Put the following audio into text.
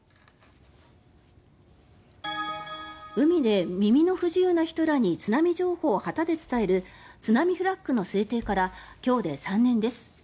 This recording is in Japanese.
海で、耳の不自由な人らに津波情報を伝える津波フラッグの制定から今日で３年です。